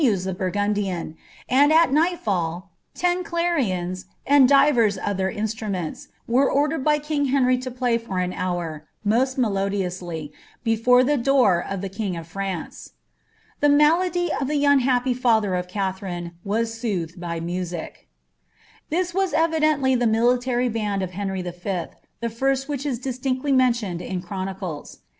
s ihe Burfuwln. ■■ and Bi nighifail, ten clarions, and diven oiher instrurnenis, nm •«• dered by king Henry lo play for an hour, nifwl melodiously, btSon tSi door of the king of France." The malady of the unhappy biher gf Katheriiie was soothed by music. This was evidently ihe military band of Henry V., the first whi^ a i!i«tinctly mentioned in chronicles. .